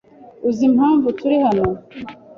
Uzi impamvu turi hano.